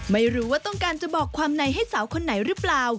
ไม่รู้ว่าต้องการจะบอกความในให้สาวคนไหนหรือเปล่า